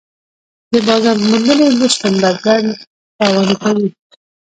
د بازار موندنې نشتون بزګر تاواني کوي.